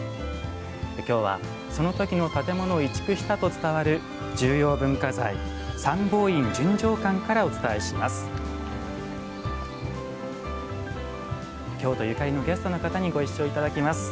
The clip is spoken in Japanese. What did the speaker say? きょうは、そのときの建物を移築したと伝わる重要文化財、三宝院純浄観からお伝えします。